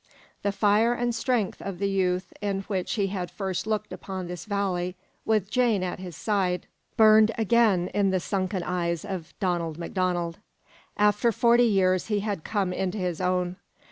The fire and strength of the youth in which he had first looked upon this valley with Jane at his side burned again in the sunken eyes of Donald MacDonald. After forty years he had come into his own.